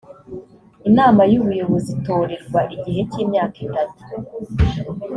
inama y ubuyobozi itorerwa igihe cy imyaka itatu